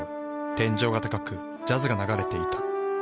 天井が高くジャズが流れていた。